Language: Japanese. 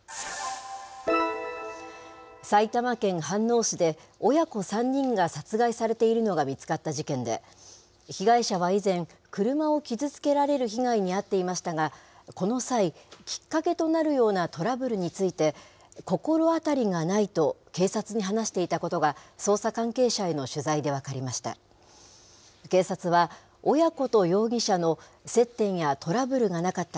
埼玉県飯能市で、親子３人が殺害されているのが見つかった事件で、被害者は以前、車を傷つけられる被害に遭っていましたが、この際、きっかけとなるようなトラブルについて、心当たりがないと、警察に話していたことが、捜査関係者への取材で分かりました。